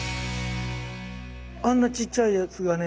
あんなちっちゃいやつがね